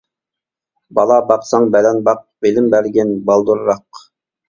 بالا باقساڭ بەلەن باق، بىلىم بەرگىن بالدۇرراق.